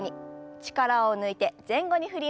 力を抜いて前後に振ります。